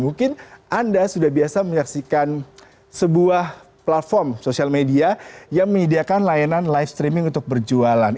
mungkin anda sudah biasa menyaksikan sebuah platform sosial media yang menyediakan layanan live streaming untuk berjualan